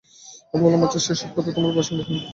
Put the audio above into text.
আমি বললুম, আচ্ছা, সে-সব কথা তোমার বাবার সঙ্গে হবে।